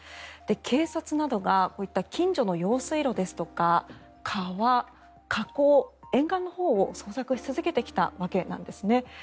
警察などがこういった近所の用水路ですとか川、河口、沿岸のほうを捜索し続けてきたわけです。